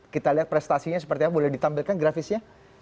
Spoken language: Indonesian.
kita lihat prestasinya seperti apa boleh ditampilkan grafisnya